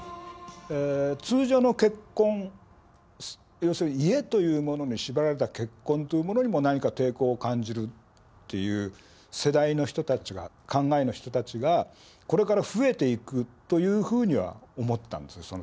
通常の結婚要するに家というものに縛られた結婚というものにも何か抵抗を感じるという世代の人たちが考えの人たちがこれから増えていくというふうには思ったんですよ